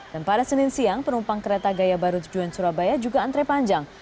dan pada senin siang penumpang kereta gaya baru tujuan surabaya juga antre panjang